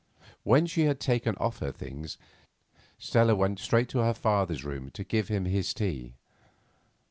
When she had taken off her things Stella went straight to her father's room to give him his tea.